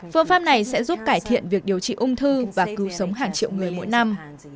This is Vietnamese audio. phương pháp này sẽ giúp cải thiện việc điều trị ung thư và cứu sống hàng triệu người mỗi năm